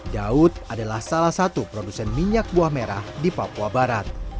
daud adalah salah satu produsen minyak buah merah di papua barat